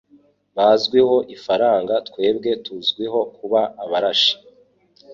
Bazwiho ifaranga twebwe tuzwiho kuba abarashi